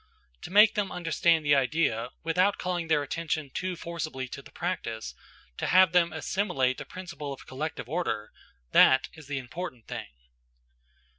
To make them understand the idea, without calling their attention too forcibly to the practice, to have them assimilate a principle of collective order –that is the important thing.